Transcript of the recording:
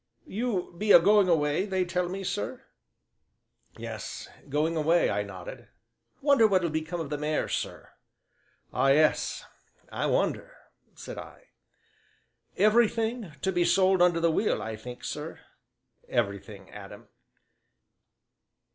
"You be a going away, they tell me, sir?" "Yes, going away," I nodded. "Wonder what'll become o' the mare, sir?" "Ah, yes, I wonder," said I. "Everything to be sold under the will, I think, sir?" "Everything, Adam."